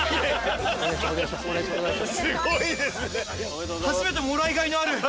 すごいですね。